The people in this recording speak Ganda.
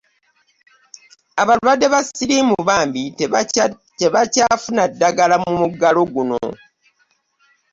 Abalwadde ba ssiriimu bambi tebakyafuna ddagala mu muggalo guno.